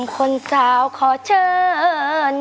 คนสาวขอเชิญ